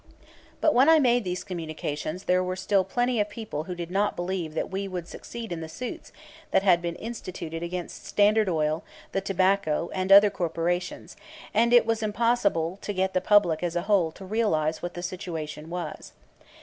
But when I made these communications there were still plenty of people who did not believe that we would succeed in the suits that had been instituted against the Standard Oil, the Tobacco, and other corporations, and it was impossible to get the public as a whole to realize what the situation was.